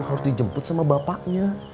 harus dijemput sama bapaknya